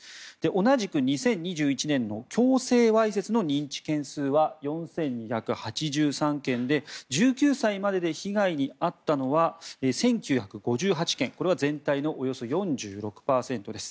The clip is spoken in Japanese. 同じく２０２１年の強制わいせつの認知件数は４２８３件で１９歳までで被害に遭ったのは１９５８件これは全体のおよそ４６％です。